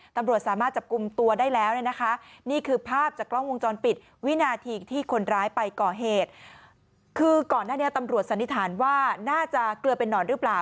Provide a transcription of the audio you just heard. ตำรวจสันนิษฐานว่าน่าจะเกลือเป็นหนอนหรือเปล่า